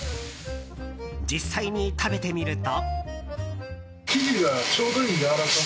実際に食べてみると。